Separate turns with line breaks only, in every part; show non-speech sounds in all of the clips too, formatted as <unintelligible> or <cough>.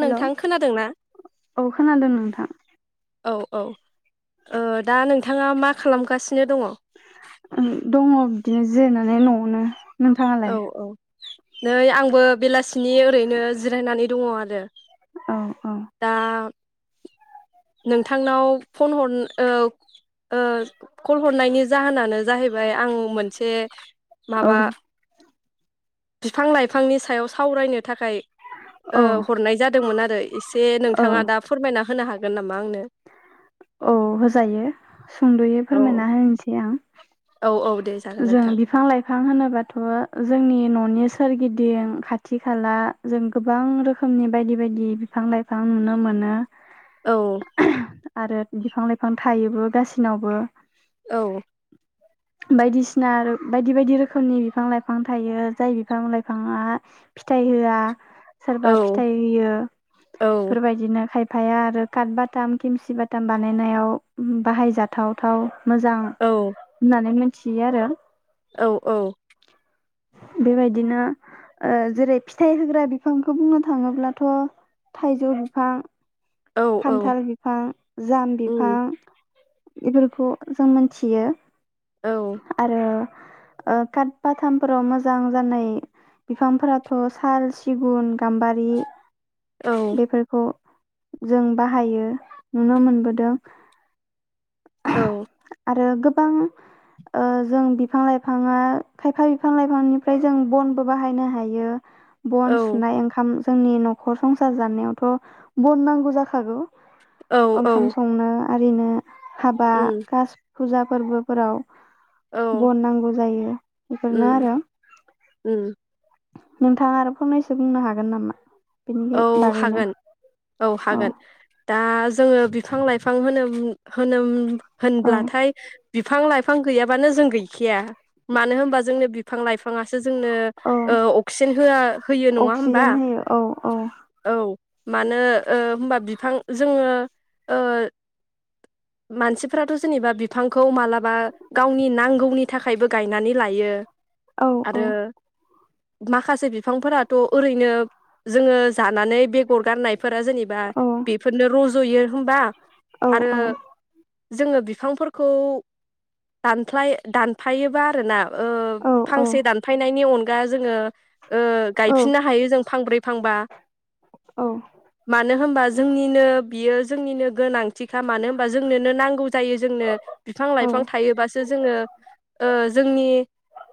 Hello
नोंथां खोनादोंना
औ खोनादों नोंथां
औ औ ओ दा नोंथाङा मा खालामगासि
ओ दङ। बिदिनो जिरायनानै न'आवनो। नोंथाङालाय
औ औ नै आंबो बेलासिनि ओरैनो जिरायनानै दङ आरो
औ औ
दा नोंथांनाव फन हर औ ओ कल हरनायनि जाहोनानो जाहैबाय आं मोनसे
औ
माबा बिफां लाइफांनि सायाव सावरायनो थाखाय ओ
औ
हरनाय जादोंमोन आरो एसे
औ
नोंथाङा दा फोरमायना। होनो हागोन। गोन नामा आंनो
औ होजायो सुंद'यै
औ
फोरमायना होनोसै आं।
औ औ दे जागोन
जों
नोंथां
बिफां लाइफां होनोबाथ' जोंनि न'नि सोरगिदिं खाथि खाला जों गोबां रोखोमनि बायदि बायदि बिफां लाइफां नुनो मोनो।
औ
आरो बिफां लाइफां थायोबो गासिनावबो
औ
बायदिसिना बायदि बायदि रोखोमनि बिफां लाइफां थायो जाय बिफां-लाइफाङा फिथाइ होआ सोरबा
औ
फिथाइ होयो
औ
बेफोरबायदिनो खायफ फाया आरो काथ बाथाम खेमसि बा दाम बानायनायाव बाहायजाथावथाव मोजां होननानै मि मिन्थियो आरो
औ औ।
बेबायदिनो ओ जेरै फिथाइ होग्रा बिफांखौ बुंनो थाङोब्लाथ थाइजौ बिफां
औ औ
खान्थाल बिफां जाम बिफां
उम
बेफोरखौ जों मोनथियो
औ
आरो। ओ काट बाथामफोराव मोजां जानाय बिफांफोराथ' साल, सिगुन, गाम्बारि
औ
बेफोरखौ जों बाहायो नुनो मोनबोदों
औ।
आरो गोबां जों बिफां लाइफाङा खायफा बिफां लाइफांनिफ्राय जों बनबो बाहायनो हायो बन
औ
सुनाय ओंखाम जोंनि नखर संसार जानायावथ' बन नांगौ जाखागौ
औ औ
ओंखाम संनो आरिनो हाबा
उम
गासै फुजा फोरबोफोराव
औ
बन नांगौ जायो बेफोरनो
उम
आरो
उम
नोंथाङा आरो फंनैसो बुंनो हागोन नामा?
औ
बेनि बागैनो
हागोन औ हागोन। दा जोङो बिफां लाइफां होनोम होनोम
औ
होनब्लाथाय बिफां लाइ बिफां गैयाबानो जों गैखाया मानो होनबा जोंनो बिफां लाइफांसो जोंनो
औ
ओ अक्सिजेन हो होयो नङा होनबा?
अक्सिजेन होयो औ औ
औ मानो ओ होमबा बिफां जोङो ओ मानसिफोराथ' जेनेबा बिफांखौ मालाबा गावनि नांगौनि थाखायबो गायनानै लायो
औ औ
आरो माखासे बिफांफोराथ' ओरैनो जोङो जानानै बेगर गारनाय फोरा जेनेबा
औ
बेफोरनो रजयो <unintelligible>
औ
आरो जोङो बिफांफोरखौ दानफ्लाइ दानफायोबा आरोना ओ
औ
फांसे दानफायनायनि अनगा दा जोङो ओ
औ
गायफिननो हायो जों फांब्रै थांबा मानो होमबा जो जोंनिनो बियो जोंनिनो गोनांथिखा मानो होनबा जोंनोनो नांगौ। जायो जोंनो बिफां
औ
लाइफां थायोबासो जोङो ओ जोंनि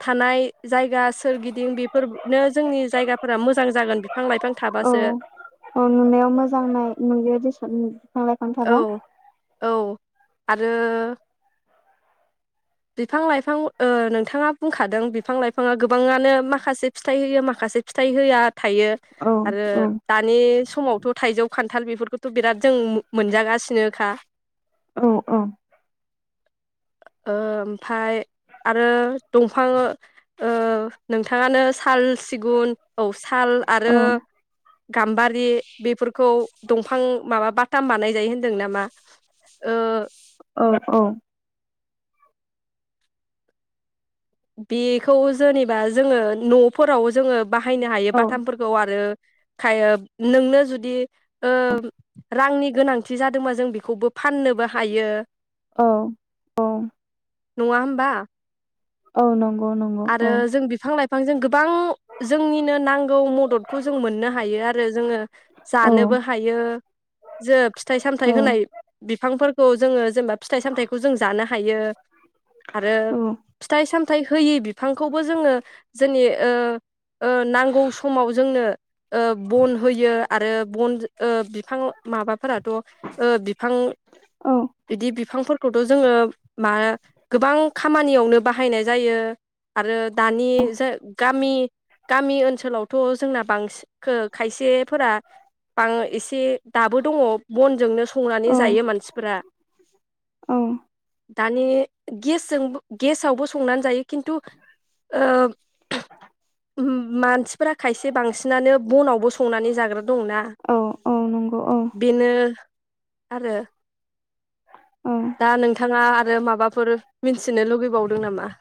थानाय जायगा सोरगिदिं बेफोरनो जोंनि जायगाफोरा मोजां जागोन बिफां लाइफां
औ
थाबासो
औ ओ नुनायाव मोजां नाय नुयो रिस बिफां लाइफां थाबा
औ औ आरो बिफां लाइफां ओ नोंथाङा बुंखादों बिफां लाइफाङा गोबाङानो माखासे फिथाइ होयो माखासे फिथाइ होआ । थायो
औ
आरो
औ
दानि समावथ थाइजौ खान्थाल बेफोरखौथ बिराद जों मोनजागासिनोखा।
औ औ
ओमफाय आरो दंफां ओ नोंथाङानो साल सिगुन औ साल
औ
आरो गाम्बारि बेफोरखौ दंफां माबा बा ताम बानाय जायो होन दों नामा? ओ
औ औ
बेखौ जोनेबा जोङो न'फोराव जोङो। बाहायनो हायो
औ
बाथामफोरखौ आरो थायो नोंनो जुदि ओ रांनि गोनांथि जादोंबा जों बेखौबो फाननोबो हायो।
औ औ
नङा होमबा?
औ नंग
आरो जों बिफां लाइफांजों गोबां जोंनिनो नांगौ मददखौ जों मोननो हायो आ रो जोङो
औ
जानोबो हायो जो फिथाइ सामथाय
औ
होनाय बिफांफोर खौ जोङो। जेनेबा फिथाइ सामथखौ जों जानो हायो आरो
औ
फिथाय साम थाय होयो बिब फांखौबो जोङो जोंनि ओ ओ नांगौ समाव जोंनो ओ बन होयो। आरो बन ओ बिब फां माबाफोराथ ओ बिफां
औ
इदि बिफांफोरखौथ जोङो मा गोबां खामानियावनो बाहायनाय जायो। आरो दानि जे गामि गामि ओनसोलावथ जोंना बांसि खो खायसेफोरा बां इसे दाबो दङ बनजोंनो संनानै
औ
जायो मानसिफोरा
औ
दानि गेसजोंबो गेसावबो संनानै जायो। किन्टु ओ उम मानस फोर खायसे बांसिनानो बनावबो संनानै जाग्रा दंना
औ औ नंगौ औ
बेनो आरो
औ
दा नोंथाङा आरो माबाफोर मिथिनो लुगैबावदों नामा?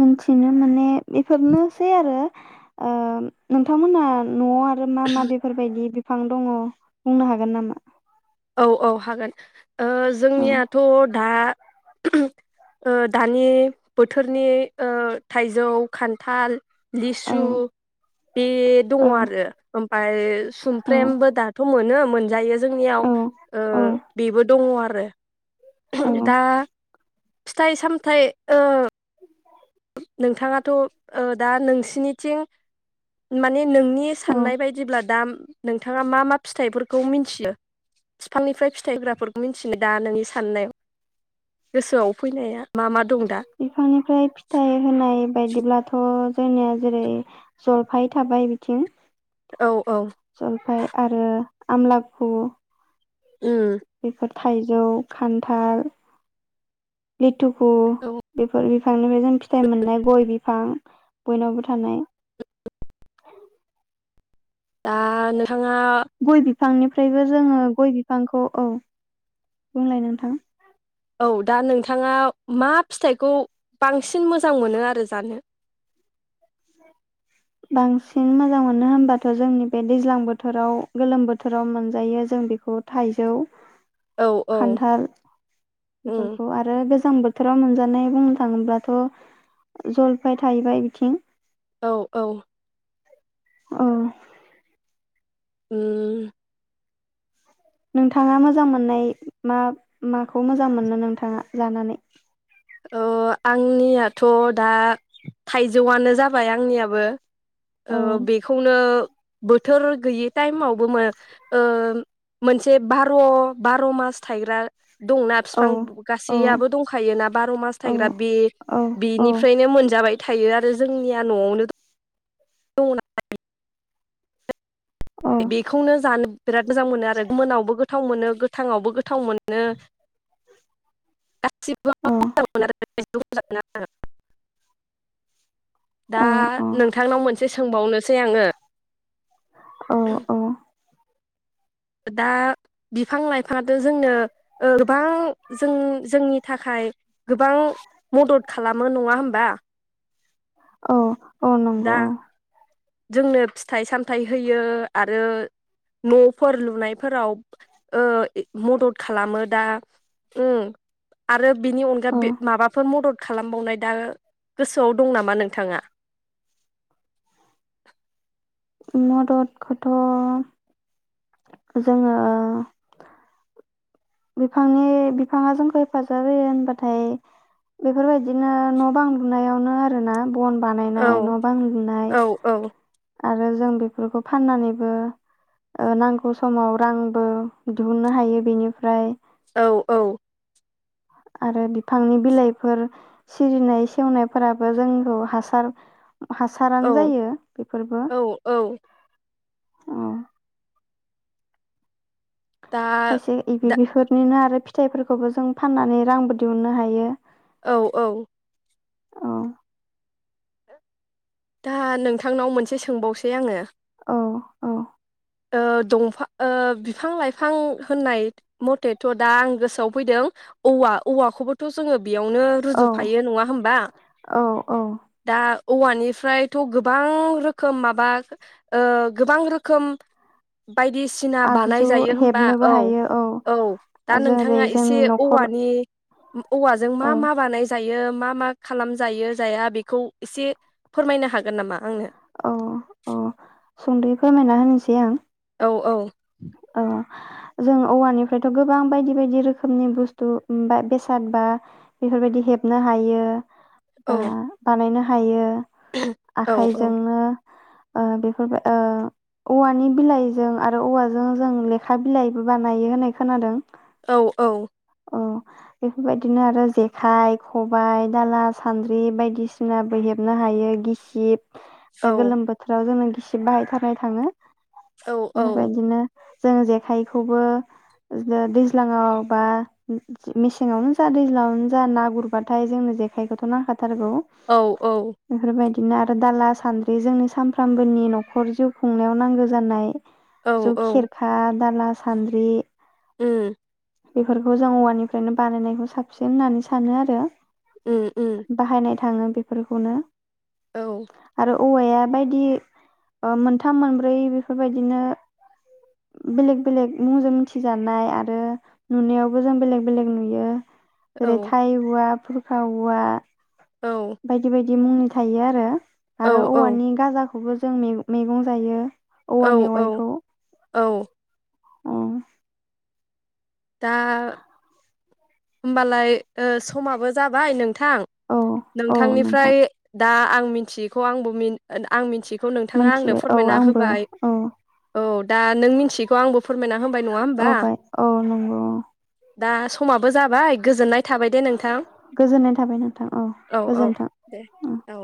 मिथिनो माने बेफोरनोसै आरो ओ नोंथांमोनहा नआव आ रो मा मा बेफोरबायदि बिफां दङ बुंनो हागोन नामा?
औ औ हागोन। ओ
औ
जोंनियाथ दा दानि बोथोरनि ओ थाइजौ खान्थाल
औ
लिसु बे दङ
औ
आरो ओमफ्राय
औ
सुमफ्रेमबो दाथ' मोनो। मोनजायो जोंनियाव
औ
ओ
औ
बेबो दङ आरो <inaudible>
औ
दा फिथाइ सामथाइ ओ नोंथाङाथ ओ दा नोंसिनिथिं माने नोंनि
औ
साननाय बायदिब्ला दा नोंथाङा मा मा फिथाइफोरखौ मिथियो बिफांनिफ्राय फिथाइ होग्राफोरखौ मिथिनो दा नोंनि साननायाव गोसोआव? फैनाया मा मा दं दा?
थाय होनाय बायदिब्लाथ' जोंनिया जेरै जलफाय थाबाय बिथिं
औ औ
जलफाय आरो आमलाखु
ओम।
बेफोर थाइजौ खान्थाल <inaudible> बेफोर <unintelligible> फिथाइ मोननाय गय बिफां बयनावबो थानाय
दा नों थाङा
फांनिफ्रायबो जोङो गय बिफांखौ औ बुंलाय नोंथां
औ दा नोंथाङा मा फिथाइखौ बांसिन मोजां मोनो आरो जानो
बांसिन मोजां मोनो होनबाथ' जोंनि बे दैज्लां बोथोराव, गोलोम बोथोराव मोनजायो जों बेखौ थाइजौ
औ औ
खान्थाल
उम
बेफोरखौ आरो बे जां बोथोराव मोनजानाय बुंनो थाङोब्लाथ' जलपाय थाहैबाय बिथिं
औ औ
ओम
ओम
नोंथाङा मोजां मोननाय मा माखौ मोजां मोनो नोंथाङा जानानै
अ आंनियाथ' दा थाइजौआनो जाबाय आंनियाबो
औ
ओ बेखौनो बोथोर गैयि टाइमावबो मो ओ मोनसे बार' बार' मास थाइग्रा दंना
औ
फिफां
औ
गासैयाबो दंखायो ना बार' मास
औ
थाइग्रा बे
औ औ
बेनिफ्रायनो मोनजाबाय थायो आरो जोंनिया न'आवनो <unintelligible>
औ
बेखौनो जानो बिराद मोजां मोनो आरो मोनावबो गोथाव मोनो गोथाङावबो गो थाव मोनो। गासिबो
औ
मोजां मोनो आरो <unintelligible> दा नोंथांनाव मोन से सोंबावनोसै आङो।
अ अ
दा बिफां-लाइफाङाथ जोंनो ओ गोबां जों-जोंनि थाखाय गोबां मदद खालामो नङा होमबा
औ
दा
नंगौ औ
जोंनो फिथाइ-सामथाइ होयो आरो न'फोर लुनायफोराव ओ ए मदद खालामो दा उम आ आरो बिनि अनगा
औ
बे माबाफोर मदद खालामबावनाय दा गोसोआव दं नामा नोंथाङा? <inaudible>
मददखौथ जोंङो बिफांनि बिफाङा जोंखौ हेफाजाब होयो होनबाथाय बेफोरबायदिनो न' बां लुनायावनो आरोना बन बानायनाय
औ
न बां लुनाय
औ औ
आरो जों बेफोरखौ फाननानैबो ओ नांगौ समाव रांबो दिहुननो हायो बेनिफ्राय
औ औ।
आरो बिफांनि बिलाइफोर सिरिनाय सेवनायफोराबो जोंखौ हासार हासारानो
औ
जायो बेफोरबो
औ औ
उम।
दा
खायसे
दा
इबिफोरनिनो आरो फि फिथाइफोरखौबो जों फाननानै रांबो दिहुननो हायो।
औ औ
औ
दा नोंथांनाव मोनसे सोंबावसै आङो
औ औ।
ओ दंफां ओ बिफां-लाइफां होननाय मथेथ दा आं गोसोआव फैदों औवा औवाखौबोथ जोंङो बेयावनो
औ
रुजुफायो नङा होमबा?
औ औ
दा औवानिफ्रायथ' गोबां रोखोम माबा ओ गोबां रोखोम बायदिसिना
आगजु
बानायजायो होमबा
हेबनोबो
औ
हायो
औ दा
जेरै
नोंथाङा
जोंनि
एसे
न'खर
औवानि औवाजों
औ
मा मा बानाय जायो। यो मा मा खालाम जायो जाया बेखौ एसे फोरमायनो हागोन नामा? आंनो
औ दे आं
औ औ
ओ जों औवानिफ्रायथ गोबां बायदि बायदि रोखोमनि बुस्थु ओम बा बेसाद बा बेफोरबायदि हेबनो हायो।
औ
बा बानायना हायो।
औ औ
आखाइजोंनो ओ बेफोरबा ओ औवानि बिलाइजों आरो औवा ओ जों लेखा बिलाइबो बानायो होननाय खोनादों
औ औ
औ बेफोरबायदिनो आरो जेखाइ खबाइ दाला सान्द्रि बायदिसिना बो हेबनो हायो गिसिब दा
औ
गोलोम बोथोराव जोंनो गि बिसे बाहायथारनाय थाङो
औ औ
बेफोरबायदिनो जों जेखाइखौबो दैज्लाङाव बा मेसेङावनो जा दैज्लाङावनो जा ना गुरबाथाय जोंनो जेखाइखौथ नांखा थारगौ
औ औ
बेफोरबायदि बिदिनो आरो दाला, सान्द्रि जोंनो सानफ्रामबोनि नखर जिउ खुंनायाव नांगौ जानाय
औ
जौ
औ
खेरखा दाला सान्द्रि
उम
बेफोरखौ जों औवानिफ्रायनो बानायनायखौ साबसिन होननानै सानो आरो
उम उम
बाहायनाय थाङो बेफोरखौनो
औ
आरो औवाया बायदि ओ मोनथाम मोनब्रै बेफोरबायदिनो बेलेग बेलेग मुंजों मिथिजानाय आरो नुनायावबो जों बेलेग बेलेग नुयो।
औ
रैथाइ हौवाफोर हौवा
औ
बिदि मुंनि थायो आरो आरो
औ
औवानि गाजा बेखौबो जों मे मैगं जायो। औवा
औ औ औ
उम
दा होमबालाय ओ समाबो जाबाय नों नोंथां
औ औ नोंथां
नोंथांनिफ्राय दा आं मिथियैखौ आंबो मिन ओद आं मिथि खौ नोंथाङा आंनो
मोनथिबाय औ
फोरमायना
आंबो
होबाय
औ
औ दा नों मिनथिखौ आंबो फोरमायना होबाय नङा
औ
होमबा
बाय औ नंगौ।
दा समा बो जाबाय गोजोननाय थाबाय दे नोंथां
गोजोननाय थाबाय नोंथां औ
औ
गोजोनथों
दे
ओम
औ